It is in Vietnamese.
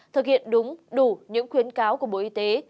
thực hiện đúng đủ những khuyến cáo của bộ y tế